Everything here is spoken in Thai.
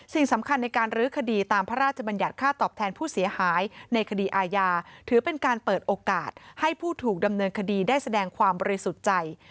สิ่งสำคัญในการรื้อคดีตามพระราชบัญญัติค่าตอบแทนผู้เสียหายในคดีอาญาถือเป็นการเปิดโอกาสให้ผู้ถูกดำเนินคดีได้แสดงความบริสุทธิ์ใจ